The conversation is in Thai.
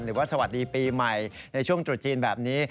หรือว่าสวัสดีปีใหม่ในช่วงตรุษจีนแบบนี้